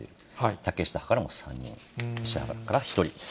竹下派からも３人、石原派から１人。